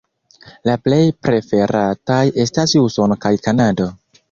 La plej preferataj estas Usono kaj Kanado.